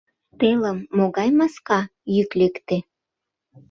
Телым могай маска? — йӱк лекте.